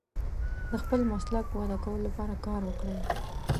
د خپل مسلک وده کولو لپاره کار وکړئ.